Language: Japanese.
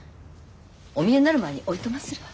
お見えになる前においとまするわ。